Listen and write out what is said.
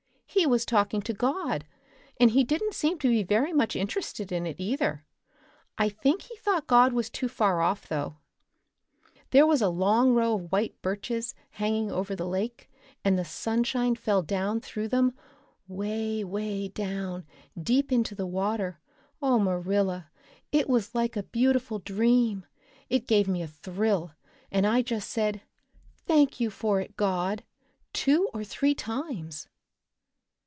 "He was talking to God and he didn't seem to be very much inter ested in it, either. I think he thought God was too far off though. There was a long row of white birches hanging over the lake and the sunshine fell down through them, 'way, 'way down, deep into the water. Oh, Marilla, it was like a beautiful dream! It gave me a thrill and I just said, 'Thank you for it, God,' two or three times."